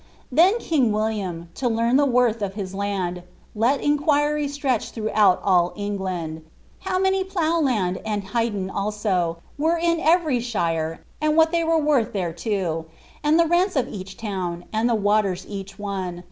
Then King William, to learn the worth of his land, Let enquiry stretch throughout all England, How many plough laud, and hiden also, Were in every shire, and what they were worth thereto j And the rents of each town, and the waters each one.